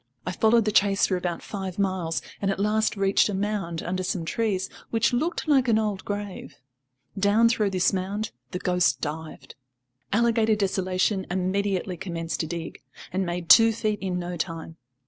I followed the chase for about five miles, and at last reached a mound under some trees, which looked like an old grave. Down through this mound the ghost dived. Alligator Desolation immediately commenced to dig, and made two feet in no time.